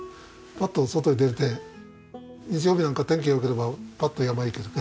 パッと外へ出て日曜日なんか天気が良ければパッと山へ行ける。